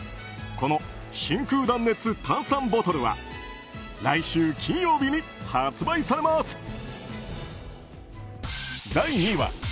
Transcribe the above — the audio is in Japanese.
この真空断熱炭酸ボトルは来週金曜日に発売されます。